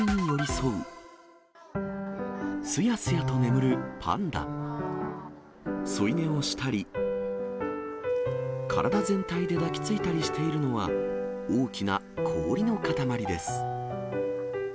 添い寝をしたり、体全体で抱きついたりしているのは、大きな氷の塊です。